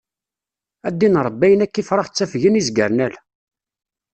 A ddin Ṛebbi ayen akka ifrax ttafgen izgaren ala.